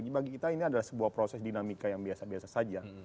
bagi kita ini adalah sebuah proses dinamika yang biasa biasa saja